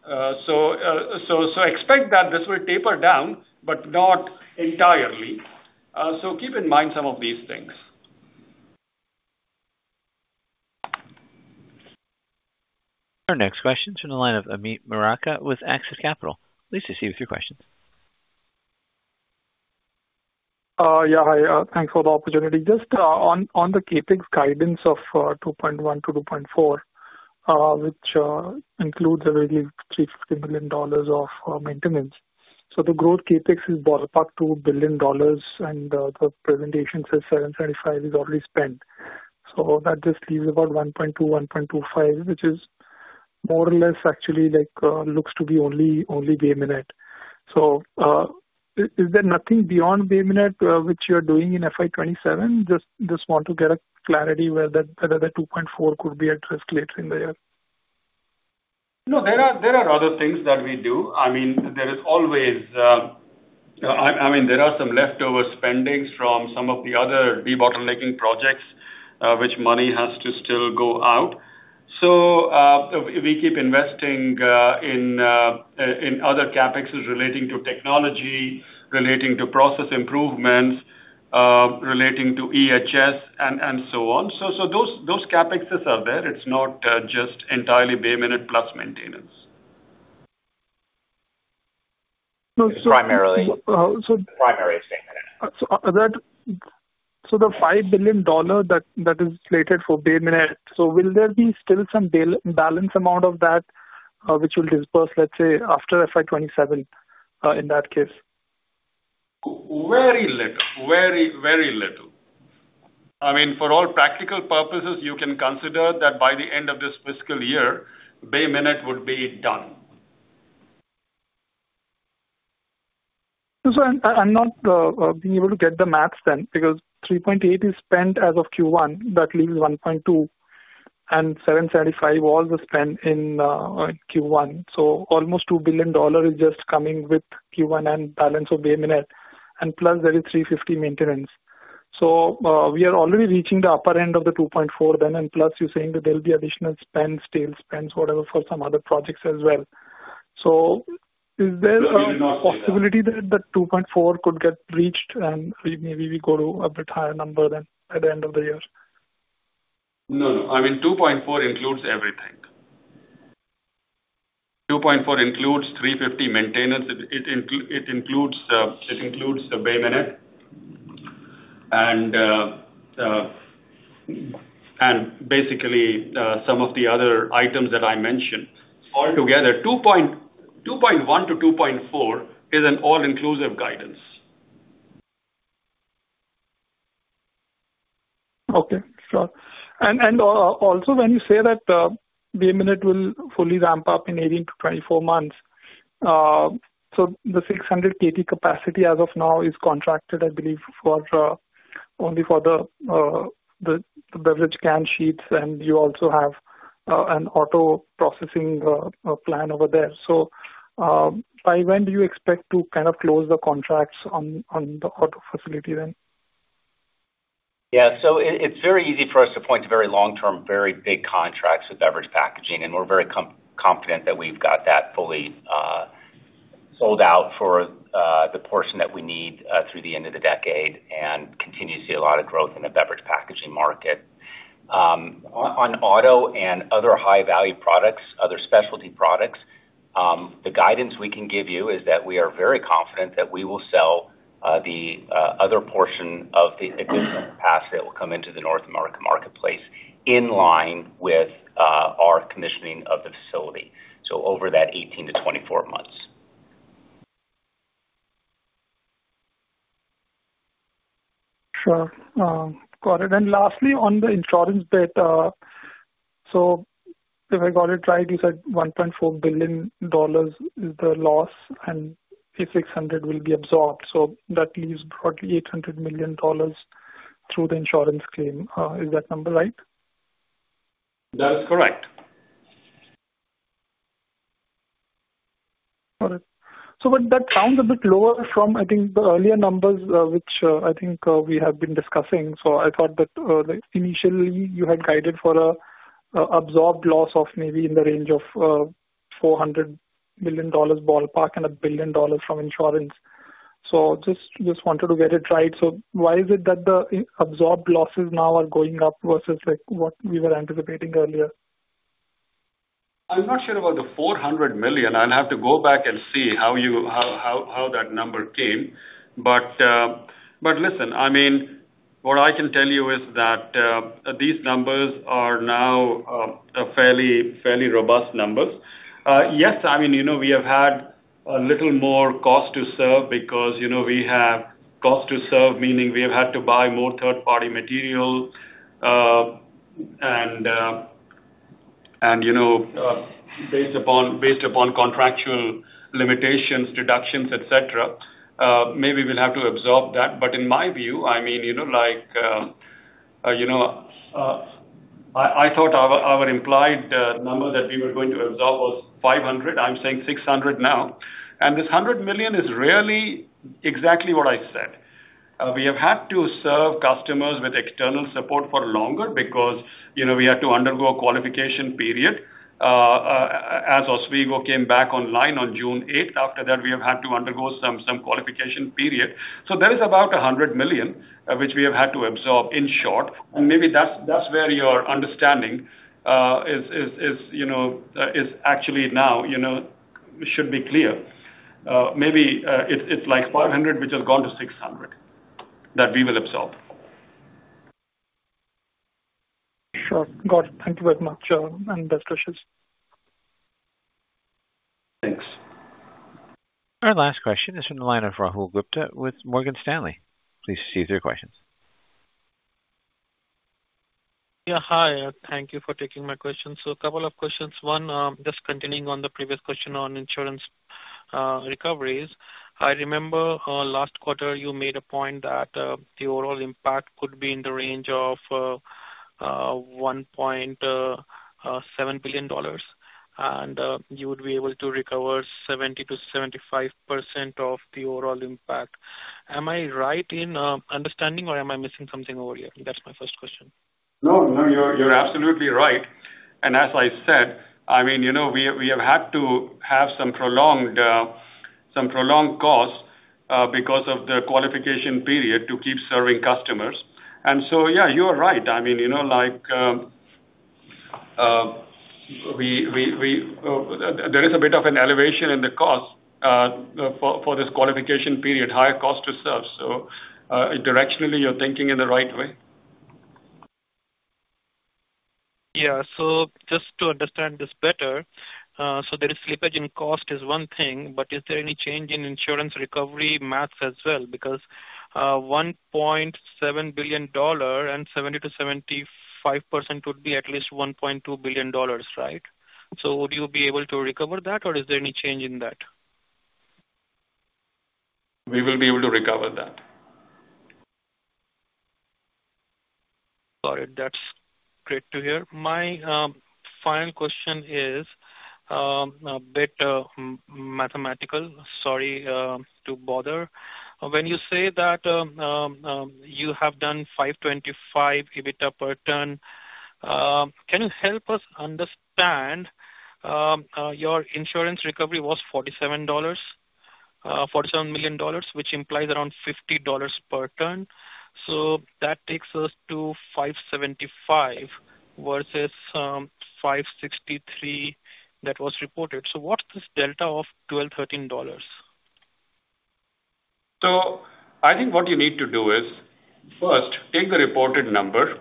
Expect that this will taper down, but not entirely. Keep in mind some of these things. Our next question is from the line of Amit Murarka with Axis Capital. Please proceed with your questions. Yeah, hi. Thanks for the opportunity. Just on the CapEx guidance of $2.1 billion-$2.4 billion, which includes a very cheap [$350 million of maintenance capital]. The growth CapEx is ballpark $2 billion and the presentation says $725 million is already spent. That just leaves about $1.2 billion-$1.25 billion, which is more or less actually looks to be only Bay Minette. Is there nothing beyond Bay Minette, which you're doing in FY 2027? Just want to get a clarity whether the $2.4 billion could be addressed later in the year. No, there are other things that we do. I mean, there are some leftover spendings from some of the other debottlenecking projects, which money has to still go out. We keep investing in other CapEx relating to technology, relating to process improvements, relating to EHS and so on. Those CapEx are there. It's not just entirely Bay Minette plus maintenance. So- It's primarily Bay Minette. The $5 billion that is slated for Bay Minette, will there be still some balance amount of that, which will disperse, let's say, after FY 2027, in that case? Very little. For all practical purposes, you can consider that by the end of this fiscal year, Bay Minette would be done. I'm not being able to get the math, because $3.8 billion is spent as of Q1, that leaves $1.2 billion. $775 million all was spent in Q1. Almost $2 billion is just coming with Q1 and balance of Bay Minette. Plus there is $350 million maintenance. We are already reaching the upper end of the $2.4 billion. Plus you're saying that there'll be additional spends, tail spends, whatever for some other projects as well. Is there a- There will not be- possibility that the $2.4 billion could get reached and maybe we go to a bit higher number than at the end of the year? No. $2.4 billion includes everything. $2.4 billion includes $350 million maintenance, it includes Bay Minette, and basically, some of the other items that I mentioned. Altogether, $2.1 billion-$2.4 billion is an all-inclusive guidance. Okay. Sure. Also when you say that Bay Minette will fully ramp up in 18-24 months. The 600 kt capacity as of now is contracted, I believe, only for the beverage can sheets and you also have an auto processing plan over there. By when do you expect to close the contracts on the auto facility then? Yeah. It's very easy for us to point to very long-term, very big contracts with Beverage Packaging, and we're very confident that we've got that fully sold out for the portion that we need through the end of the decade and continue to see a lot of growth in the Beverage Packaging market. On auto and other high-value products, other specialty products, the guidance we can give you is that we are very confident that we will sell the other portion of the additional capacity that will come into the North American marketplace in line with our commissioning of the facility. Over that 18-24 months. Sure. Got it. Lastly, on the insurance bit. If I got it right, you said $1.4 billion is the loss, and the $600 million will be absorbed. That leaves broadly $800 million through the insurance claim. Is that number right? That's correct. Got it. That sounds a bit lower from, I think, the earlier numbers, which I think we have been discussing. I thought that initially you had guided for absorbed loss of maybe in the range of $400 million ballpark and $1 billion from insurance. Just wanted to get it right. Why is it that the absorbed losses now are going up versus what we were anticipating earlier? I'm not sure about the $400 million. I'll have to go back and see how that number came. Listen, what I can tell you is that these numbers are now fairly robust numbers. Yes, we have had a little more cost to serve because we have cost to serve, meaning we have had to buy more third-party material, and based upon contractual limitations, deductions, et cetera, maybe we'll have to absorb that. In my view, I thought our implied number that we were going to absorb was $500 million. I'm saying $600 million now. This $100 million is really exactly what I said. We have had to serve customers with external support for longer because we had to undergo a qualification period. As Oswego came back online on June 8th, after that, we have had to undergo some qualification period. There is about $100 million, which we have had to absorb, in short, and maybe that's where your understanding is actually now should be clear. Maybe it's [$100 million], which has gone to $600 million, that we will absorb. Sure. Got it. Thank you very much. Best wishes. Thanks. Our last question is from the line of Rahul Gupta with Morgan Stanley. Please proceed with your questions. Yeah. Hi. Thank you for taking my questions. A couple of questions. One, just continuing on the previous question on insurance recoveries. I remember last quarter you made a point that the overall impact could be in the range of $1.7 billion, and you would be able to recover 70%-75% of the overall impact. Am I right in understanding or am I missing something over here? That's my first question. No, you're absolutely right. As I said, we have had to have some prolonged costs because of the qualification period to keep serving customers. Yeah, you are right. There is a bit of an elevation in the cost for this qualification period, higher cost to serve. Directionally, you're thinking in the right way. Yeah. Just to understand this better, there is slippage in cost is one thing, is there any change in insurance recovery maths as well? Because $1.7 billion and 70%-75% would be at least $1.2 billion, right? Would you be able to recover that or is there any change in that? We will be able to recover that. Got it. That's great to hear. My final question is a bit mathematical. Sorry to bother. When you say that you have done $525 EBITDA per ton, can you help us understand, your insurance recovery was $47 million, which implies around $50 per ton. What's this delta of $12, $13? I think what you need to do is first take the reported number,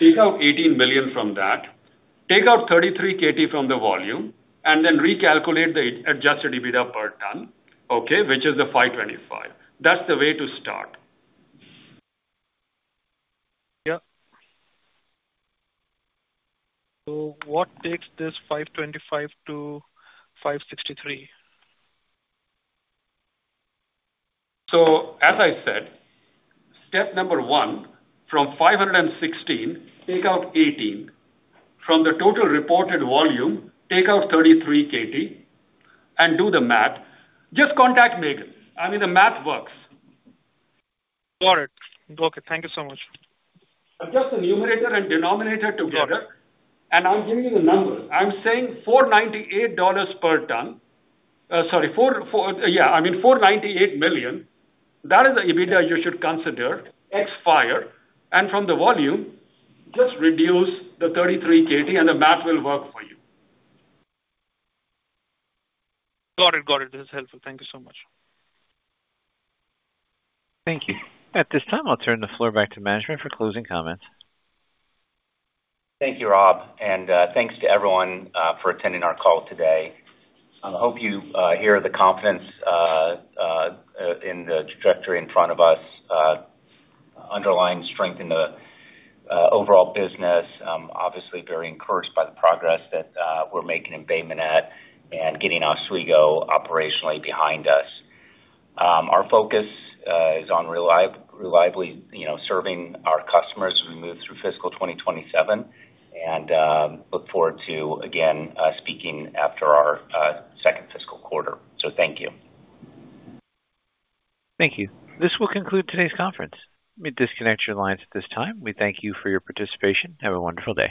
take out $18 million from that, take out 33 kt from the volume, and then recalculate the adjusted EBITDA per ton, okay, which is the $525. That's the way to start. Yeah. What takes this $525-$563? As I said, step one, from $516, take out $18 million. From the total reported volume, take out 33 kt and do the math. Just contact Megan. I mean, the math works. Got it. Okay. Thank you so much. Adjust the numerator and denominator together. Got it. I'm giving you the numbers. I'm saying $498 million. That is the EBITDA you should consider ex fire. From the volume, just reduce the 33 kt and the math will work for you. Got it. Got it. This is helpful. Thank you so much. Thank you. At this time, I'll turn the floor back to management for closing comments. Thank you, Rob, and thanks to everyone for attending our call today. I hope you hear the confidence in the trajectory in front of us, underlying strength in the overall business. I'm obviously very encouraged by the progress that we're making in Bay Minette and getting Oswego operationally behind us. Our focus is on reliably serving our customers as we move through fiscal 2027 and look forward to, again, speaking after our second fiscal quarter. Thank you. Thank you. This will conclude today's conference. You may disconnect your lines at this time. We thank you for your participation. Have a wonderful day.